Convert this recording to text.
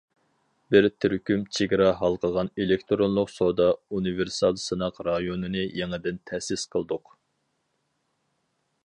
بىر تۈركۈم چېگرا ھالقىغان ئېلېكتىرونلۇق سودا ئۇنىۋېرسال سىناق رايونىنى يېڭىدىن تەسىس قىلدۇق.